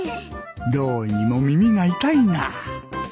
どうにも耳が痛いな